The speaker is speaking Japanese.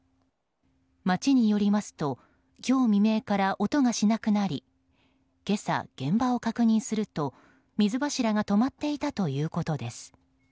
町によりますと今日未明から音がしなくなり今朝、現場を確認すると水柱が止まっていたということです。